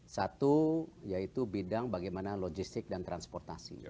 satu yaitu bidang bagaimana logistik dan transportasi